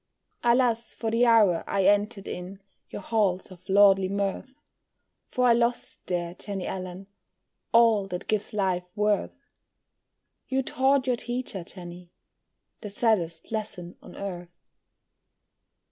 Alas, for the hour I entered in Your halls of lordly mirth; For I lost there, Jenny Allen, All that gives life worth; You taught your teacher, Jenny, The saddest lesson of earth.